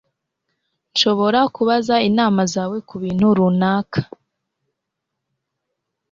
Nshobora kubaza inama zawe kubintu runaka